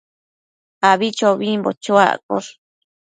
abichobimbo chuaccosh